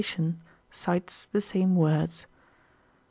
cites the same words.